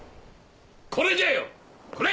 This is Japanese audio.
これじゃよこれ！